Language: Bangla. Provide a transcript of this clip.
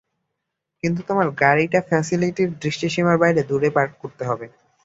কিন্তু তোমার গাড়িটা ফ্যাসিলিটির দৃষ্টিসীমার বাইরে দূরে পার্ক করতে হবে।